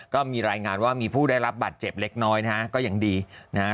ก็มีรายงานว่ามีผู้ได้รับบัตรเจ็บเล็กน้อยนะฮะก็ยังดีนะฮะ